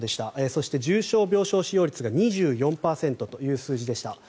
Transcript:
そして重症病床使用率が２４．３％という数字でした。